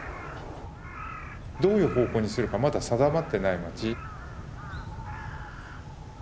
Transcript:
どういう方向にするかまだ定まってない町。